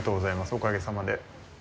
おかげさまで。